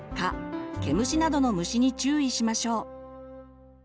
毛虫などの虫に注意しましょう。